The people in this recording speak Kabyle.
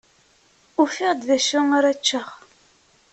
Ufiɣ-d d acu ara ččeɣ.